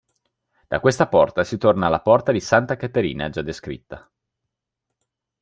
Da questa porta si torna alla porta S. Caterina già descritta.